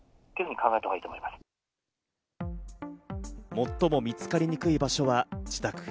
もっとも見つかりにくい場所は自宅。